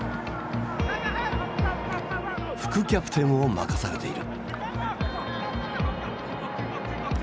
副キャプテンを任されている。